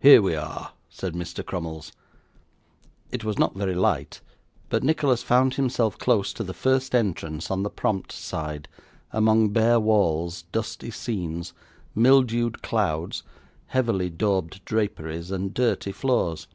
'Here we are,' said Mr. Crummles. It was not very light, but Nicholas found himself close to the first entrance on the prompt side, among bare walls, dusty scenes, mildewed clouds, heavily daubed draperies, and dirty floors.